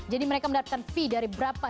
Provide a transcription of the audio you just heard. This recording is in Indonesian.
jadi mereka mendapatkan fee dari berapa